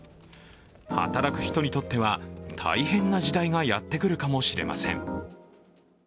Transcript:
働く人にとっては大変な時代がやってくるかもしれません。